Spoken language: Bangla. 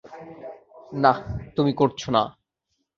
না, তুমি করছ না।